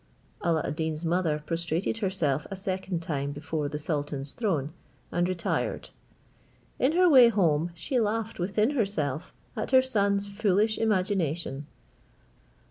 Alla ad Deen's mother prostrated herself a second time before the sultan's throne, and retired. In her way home, she laughed within herself at her son's foolish imagination.